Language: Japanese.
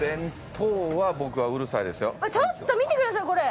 ちょっと見てくださいこれ。